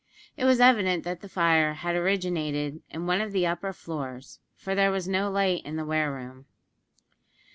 It was evident that the fire had originated in one of the upper floors, for there was no light in the wareroom.